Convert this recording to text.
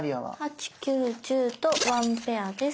「８」「９」「１０」とワンペアです。